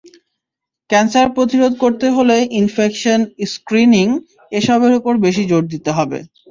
Cancer প্রতিরোধ করতে হলে ইনফেকশন, স্ক্রিনিং—এসবের ওপর বেশি জোর দিতে হবে।